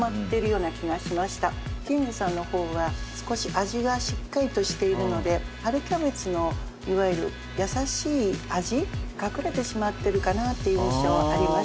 キングさんの方は少し味がしっかりとしているので春キャベツのいわゆる優しい味隠れてしまってるかなっていう印象はありました。